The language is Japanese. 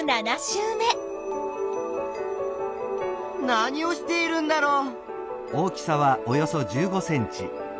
何をしているんだろう？